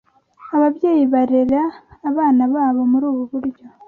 Ababyeyi barera abana babo muri ubu buryo